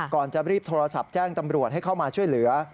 ก่อนจะรีบโทรศัพท์แจ้งตำรวจให้เข้ามาช่วยเหลือ